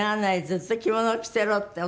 ずっと着物を着てろ」って。